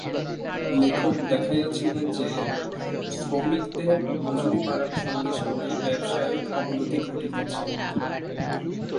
লেখক দেখাইয়াছিলেন যে, শ্রমিকদের মজুরী বাড়ার সঙ্গে সঙ্গে ব্যবসায়ের অবনতি ঘটিতেছে।